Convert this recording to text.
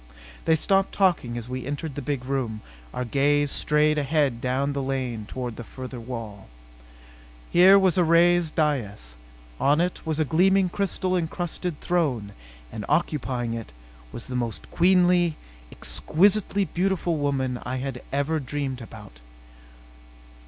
They stopped talking as we entered the big room. Our gaze strayed ahead down the lane toward the further wall. Here was a raised dais. On it was a gleaming crystal encrusted throne. And occupying it was the most queenly, exquisitely beautiful woman I had ever dreamed about.